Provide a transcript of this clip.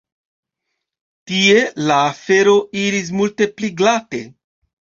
Tie la aferoj iris multe pli glate.